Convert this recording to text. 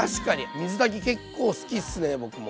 水炊き結構好きですね僕も。